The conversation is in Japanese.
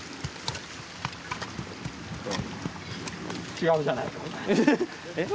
違うじゃないか。